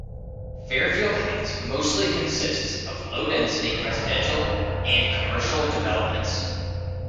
Fairfield Heights mostly consists of low-density residential and commercial developments.